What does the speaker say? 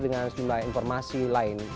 dengan sejumlah informasi lain